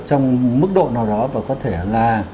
trong mức độ nào đó và có thể là